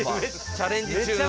「チャレンジ中」の。